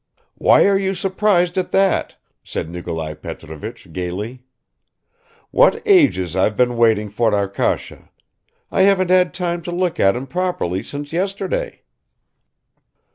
"Why are you surprised at that?" said Nikolai Petrovich gaily. "What ages I've been waiting for Arkasha. I haven't had time to look at him properly since yesterday."